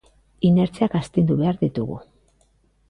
Inertziak astindu behar ditugu.